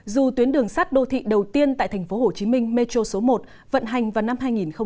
dù tuyến đường sắt đô thị đầu tiên tại tp hcm metro số một vận hành vào năm hai nghìn hai mươi